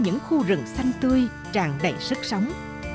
những khu rừng xanh tươi tràn đầy sức sống